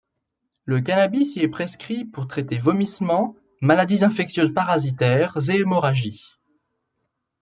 Le cannabis y est prescrit pour traiter vomissements, maladies infectieuses parasitaires et hémorragies.